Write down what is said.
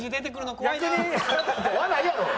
怖ないやろ！